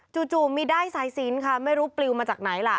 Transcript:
จู่มีด้ายสายสินค่ะไม่รู้ปลิวมาจากไหนล่ะ